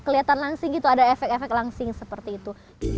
kelihatan langsing gitu ada efek efek langsing seperti itu